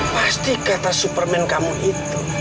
pasti kata superman kamu itu